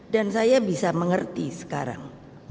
dan saya bisa mengerti sekarang